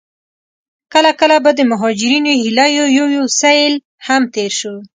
کله کله به د مهاجرو هيليو يو يو سيل هم تېر شو.